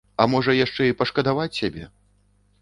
А можа, яшчэ і пашкадаваць сябе?